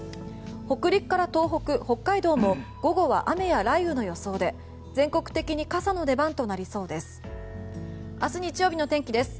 北陸から東北、北海道も午後は雨や雷雨の予想で全国的に傘の出番となりそうです。